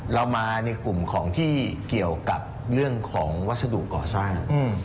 เรามาในกลุ่มของที่เกี่ยวกับเรื่องของวัสดุก่อสร้าง